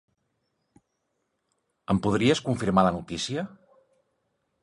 Em podries confirmar la notícia?